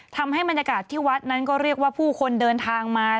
ทำให้บรรยากาศที่วัดนั้นก็เรียกว่าผู้คนเดินทางมา